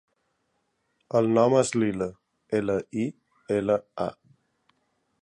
El nom és Lila: ela, i, ela, a.